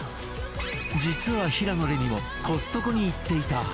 実は平野レミもコストコに行っていた